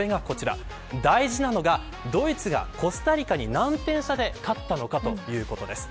大事なのがドイツがコスタリカに何点差で勝ったのかということです。